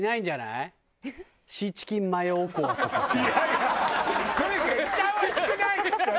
いやいやそれ絶対おいしくないって！